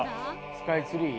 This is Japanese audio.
スカイツリー？